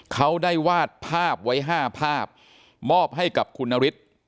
เขาได้วาดภาพไว้๕ภาพมอบให้กับคุณนฤทธิ์